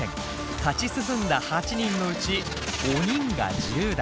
勝ち進んだ８人のうち５人が１０代。